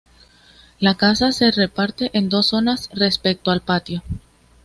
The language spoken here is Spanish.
La casa se reparte en dos zonas respecto al patio.